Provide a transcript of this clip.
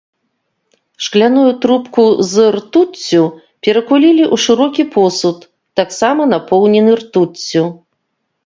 Шкляную трубку з ртуццю перакулілі ў шырокі посуд, таксама напоўнены ртуццю.